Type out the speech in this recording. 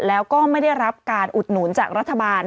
แล้วก็ไม่ได้รับการอุดหนุนจากรัฐบาล